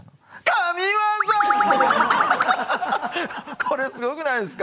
これすごくないですか？